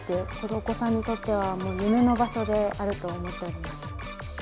お子さんにとっては、もう夢の場所であると思っております。